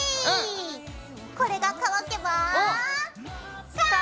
これが乾けば。